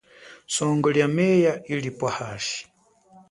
Songo lia meya ilipwa hashi.